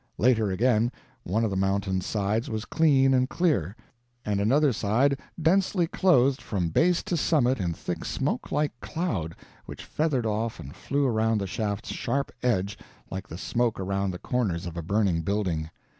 Later again, one of the mountain's sides was clean and clear, and another side densely clothed from base to summit in thick smokelike cloud which feathered off and flew around the shaft's sharp edge like the smoke around the corners of a burning building.